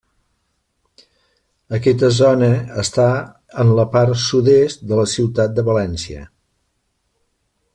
Aquesta zona està en la part sud-est de la ciutat de València.